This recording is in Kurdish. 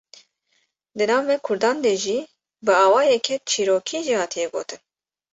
di nav me Kurdan de jî bi awayeke çîrokî jî hatiye gotin